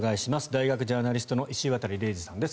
大学ジャーナリストの石渡嶺司さんです。